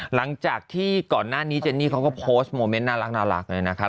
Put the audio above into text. หลังจากที่ก่อนหน้านี้เจนนี่เขาก็โพสต์โมเมนต์น่ารักเลยนะคะ